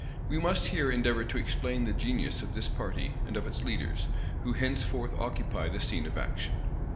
We must here endeavor to explain the genius of this party, and of its leaders, who henceforth occupy the scene of action.